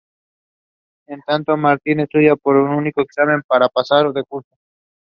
The Fremont Reds and Fremont Green Sox teams played home games at Anderson Field.